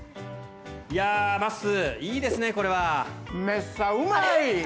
いやまっすーいいですねこれは。めっさうまい！